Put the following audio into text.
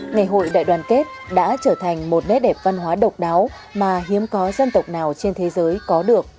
ngày hội đại đoàn kết đã trở thành một nét đẹp văn hóa độc đáo mà hiếm có dân tộc nào trên thế giới có được